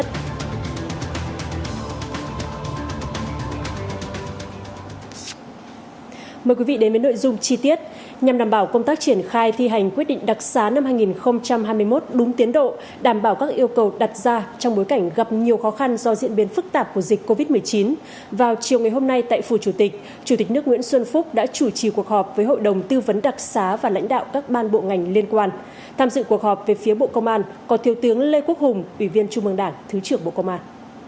theo đảm bảo công tác triển khai thi hành quyết định đặc xá năm hai nghìn hai mươi một đúng tiến độ đảm bảo các yêu cầu đặt ra trong bối cảnh gặp nhiều khó khăn do diễn biến phức tạp của dịch covid một mươi chín vào chiều ngày hôm nay tại phủ chủ tịch chủ tịch nước nguyễn xuân phúc đã chủ trì cuộc họp với hội đồng tư vấn đặc xá và lãnh đạo các ban bộ ngành liên quan tham dự cuộc họp về phía bộ công an có thiếu tướng lê quốc hùng ủy viên trung mương đảng thứ trưởng bộ công an